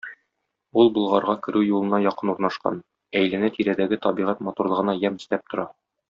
Ул Болгарга керү юлына якын урнашкан, әйләнә-тирәдәге табигать матурлыгына ямь өстәп тора.